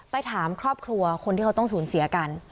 ถามครอบครัวคนที่เขาต้องสูญเสียกัน